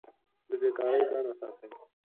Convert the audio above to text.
له بې کارۍ ځان وساتئ.